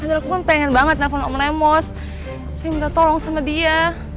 akuan pengen banget om lemos imp inminta tolong sama dia